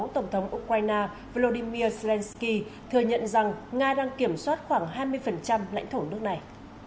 tổng thống ukraine volodymyr zelensky thừa nhận rằng nga đang kiểm soát khoảng hai mươi lãnh thổ nước này